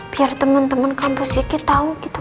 biar temen temen kampus kiki tau gitu